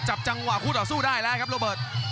โอ้โหซ้ายาวครับ